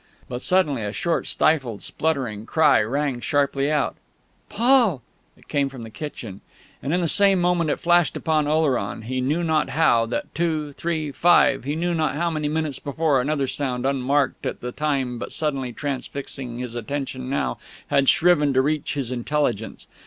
But suddenly a short, stifled, spluttering cry rang sharply out: "Paul!" It came from the kitchen. And in the same moment it flashed upon Oleron, he knew not how, that two, three, five, he knew not how many minutes before, another sound, unmarked at the time but suddenly transfixing his attention now, had striven to reach his intelligence.